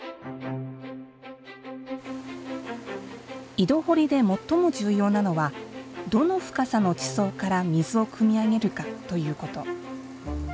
井戸掘りで最も重要なのはどの深さの地層から水をくみあげるかということ。